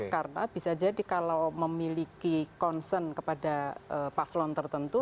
karena bisa jadi kalau memiliki concern kepada paslon tertentu